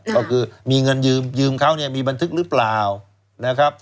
ก็คือมีเงินยืมยืมเขามีบันทึกหรือเปล่า